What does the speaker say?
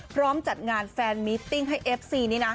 จัดงานแฟนมิตติ้งให้เอฟซีนี่นะ